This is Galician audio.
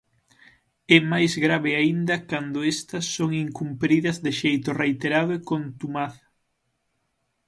É máis grave aínda cando estas son incumpridas de xeito reiterado e contumaz.